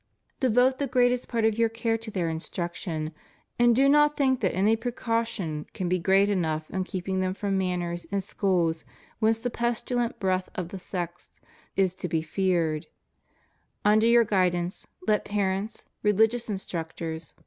Devote the greatest part of your care to their instruction; and do not think that any precaution can be great enough in keeping them from masters and schools whence the pestilent breath of the sects is to be feared Under your guidance, let parents, religious instructors, FREEMASONRY.